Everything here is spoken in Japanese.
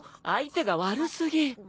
相手が悪すぎ。